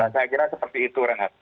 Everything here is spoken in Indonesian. saya kira seperti itu renhat